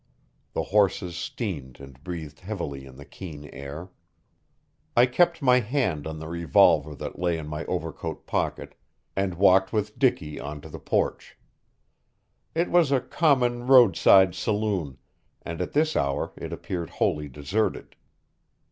The horses steamed and breathed heavily in the keen air. I kept my hand on the revolver that lay in my overcoat pocket, and walked with Dicky on to the porch. It was a common roadside saloon, and at this hour it appeared wholly deserted.